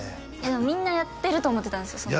みんなやってると思ってたんですよ